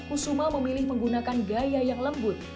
kusuma memilih menggunakan gaya yang lembut